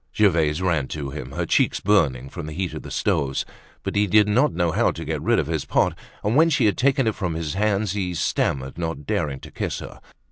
Gervaise ran to him, her cheeks burning from the heat of the stoves. But he did not know how to get rid of his pot; and when she had taken it from his hands he stammered, not daring to kiss her.